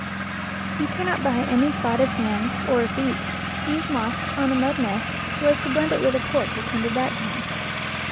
You cannot by any sleight of hand, or of beak, use moss on a mud nest so as to blend it with a porch or timber background.